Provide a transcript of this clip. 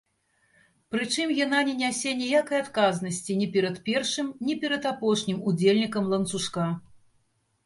Прычым яна не нясе ніякай адказнасці ні перад першым, ні перад апошнім удзельнікам ланцужка.